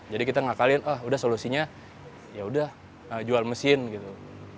jadi kita ngakalin ah udah solusinya yaudah jual mesin gitu